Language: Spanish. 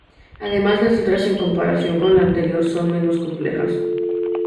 Además las letras en comparación con el anterior son menos complejas.